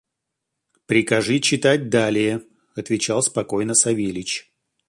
– Прикажи читать далее, – отвечал спокойно Савельич.